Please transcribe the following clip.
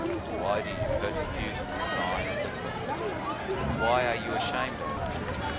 Why do you persecute the Sign of the Cross ? Why are you ashamed of it?